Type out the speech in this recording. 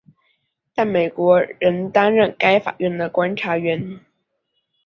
但美国仍担任该法院的观察员。